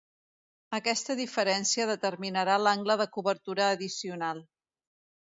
Aquesta diferència determinarà l'angle de cobertura addicional.